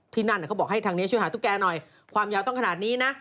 ที่นั่นเขาบอกให้ทางนี้ช่วยหาตุ๊กแกหน่อยความยาวต้องขนาดนี้นะ